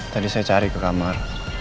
tadi saya cari ke kamar